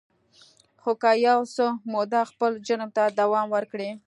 خو که یو څه موده خپل جرم ته دوام ورکړي